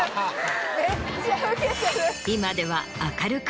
今では。